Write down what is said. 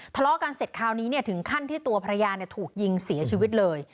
ทะเลาะกันเสร็จคราวนี้ถึงขั้นที่ตัวภรรยาถูกยิงเสียชีวิตเลย